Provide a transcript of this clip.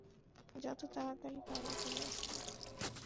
যত তাড়াতাড়ি পারি ফিরে আসবো।